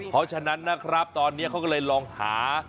เพราะฉะนั้นนะครับตอนนี้เขาก็เลยลองหา